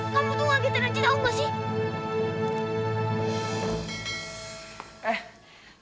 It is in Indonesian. kamu itu lagi ternyata cinta aku sih